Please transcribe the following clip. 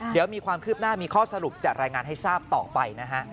เดี๋ยวมีความคืบหน้ามีข้อสรุปจะรายงานให้ทราบต่อไปนะฮะ